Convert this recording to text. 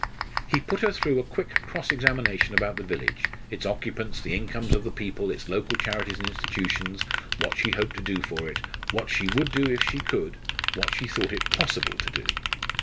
He put her through a quick cross examination about the village, its occupations, the incomes of the people, its local charities and institutions, what she hoped to do for it, what she would do if she could, what she thought it possible to do.